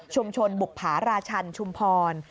ชุมชนบุคภาราชันชุมพร